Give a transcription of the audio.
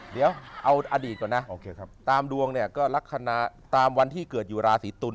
เดี๋ยวเอาอดีตก่อนนะโอเคครับตามดวงเนี่ยก็ลักษณะตามวันที่เกิดอยู่ราศีตุล